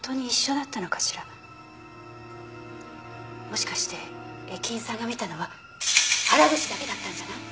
もしかして駅員さんが見たのは原口だけだったんじゃない？